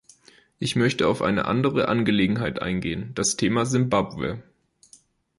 Ich möchte auf eine andere Angelegenheit eingehen das Thema Simbabwe.